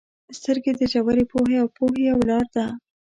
• سترګې د ژورې پوهې او پوهې یو لار ده.